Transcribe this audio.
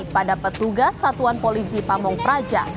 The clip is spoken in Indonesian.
pada petugas satuan polisi pamung praja